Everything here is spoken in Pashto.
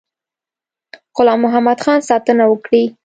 غلام محمدخان ساتنه وکړي.